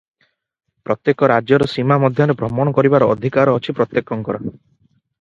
ପ୍ରତ୍ୟେକ ରାଜ୍ୟର ସୀମା ମଧ୍ୟରେ ଭ୍ରମଣ କରିବାର ଅଧିକାର ପ୍ରତ୍ୟେକଙ୍କର ଅଛି ।